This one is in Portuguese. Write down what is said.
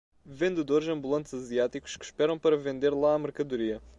vendedores ambulantes asiáticos que esperam para vender lá a mercadoria.